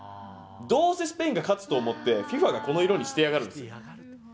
どうせスペインが勝つと思って、ＦＩＦＡがこの色にしてやがるんですよ。